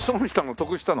得したの？